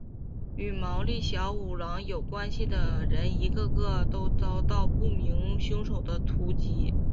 与毛利小五郎有关系的人一个个都遭到不明凶手的袭击。